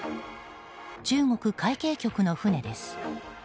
中国海警局の船です。